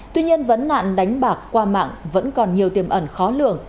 tuy nhiên vấn nạn đánh bạc qua mạng vẫn còn nhiều tiềm ẩn khó lường